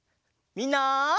みんな！